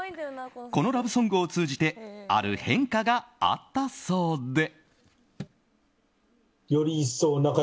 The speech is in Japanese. このラブソングを通じてある変化があったそうで。